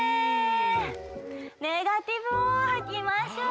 ネガティブをはきましょう。